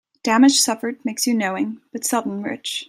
Damage suffered makes you knowing, but seldom rich.